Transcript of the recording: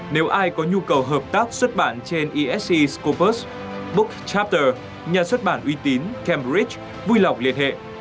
nếu ai có nhu cầu hợp tác xuất bản trên esc scopus bookchapter nhà xuất bản uy tín cambridge vui lòng liên hệ